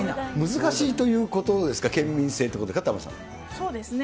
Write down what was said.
難しいということですか、県民性ということですか、そうですね。